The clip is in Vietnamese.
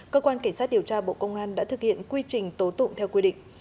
cơ quan cảnh sát điều tra bộ công an đã thực hiện quy trình tố tụng theo quy định